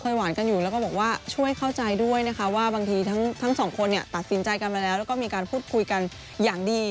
หวานกันอยู่แล้วก็บอกว่าช่วยเข้าใจด้วยนะคะว่าบางทีทั้งสองคนเนี่ยตัดสินใจกันมาแล้วแล้วก็มีการพูดคุยกันอย่างดี